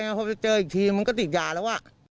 เขาเคยเจออีกทีก็ติดยาแล้ว